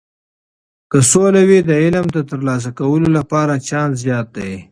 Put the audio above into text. که سوله وي، د علم د ترلاسه کولو لپاره چانس زیات دی.